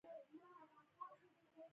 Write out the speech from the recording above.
محسن وويل څنگه دې خوله وازه پاته شوه.